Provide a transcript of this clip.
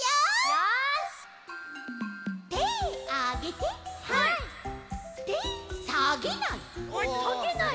てさげない！